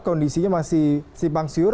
kondisinya masih sipang siur